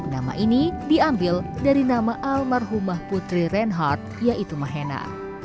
nama ini diambil dari nama almarhumah putri reinhard yaitu mahena